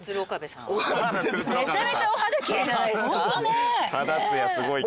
めちゃめちゃお肌奇麗じゃないですか。